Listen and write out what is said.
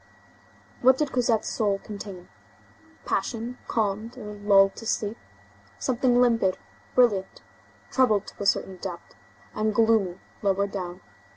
What did Cosette's soul contain? Passion calmed or lulled to sleep; something limpid, brilliant, troubled to a certain depth, and gloomy lower down.